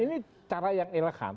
ini cara yang elegan